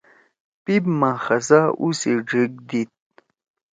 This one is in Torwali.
پیپ ما خزا اُو سی ڇھیِک دیِد۔